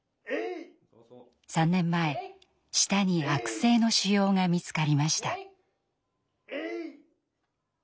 ３年前舌に悪性の腫瘍が見つかりました。